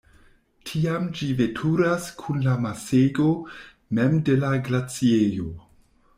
Tiam ĝi veturas kun la masego mem de la glaciejo.